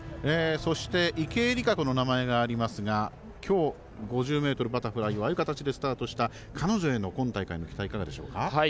そして、池江璃花子の名前がありますがきょう５０ｍバタフライをああいう形でスタートした彼女への今大会の期待はいかがですか？